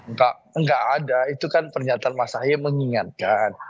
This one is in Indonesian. enggak enggak ada itu kan pernyataan mas ahaye mengingatkan